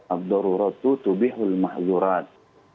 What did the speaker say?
abdururutu tubih ulmahzurat